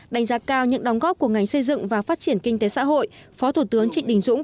đánh giá cao những đóng góp của ngành xây dựng và phát triển kinh tế xã hội phó thủ tướng trịnh đình dũng